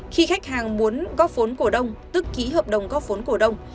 khi khách hàng muốn góp vốn cổ đông tức ký hợp đồng góp vốn cổ đông